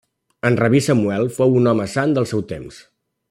En rabí Samuel fou un home sant del seu temps.